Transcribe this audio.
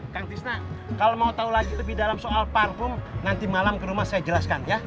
kang tisna kalau mau tahu lagi lebih dalam soal parfum nanti malam ke rumah saya jelaskan ya